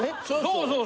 そうそう。